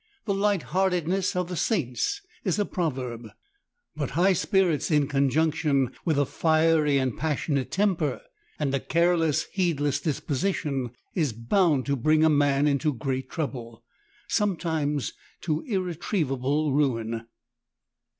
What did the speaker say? The lightheartedness of the saints is a proverb. But high spirits in conjunction with a fiery and passionate temper, and a careless, heedless disposition, is bound to bring a man into great trouble — sometimes to irretrievable ruin.